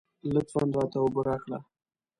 لطفاً راته اوبه راکړه.